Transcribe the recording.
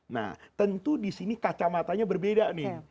nah tentu di sini kacamatanya berbeda nih